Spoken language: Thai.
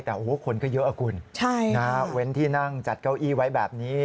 แต่โอ้โหคนก็เยอะอะคุณเว้นที่นั่งจัดเก้าอี้ไว้แบบนี้